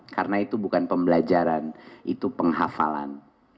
karena itu bukan pembelajaran itu penghafalan